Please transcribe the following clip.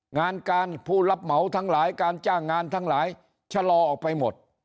งานการผู้รับเหมาทั้งหลายการจ้างงานทั้งหลายชะลอออกไปหมด